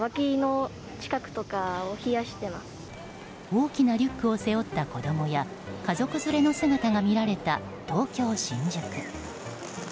大きなリュックを背負った子供や家族連れの姿が見られた東京・新宿。